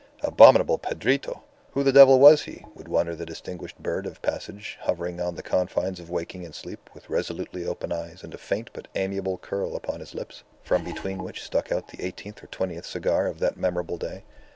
"Abominable Pedrito! Who the devil was he?" would wonder the distinguished bird of passage hovering on the confines of waking and sleep with resolutely open eyes and a faint but amiable curl upon his lips, from between which stuck out the eighteenth or twentieth cigar of that memorable day.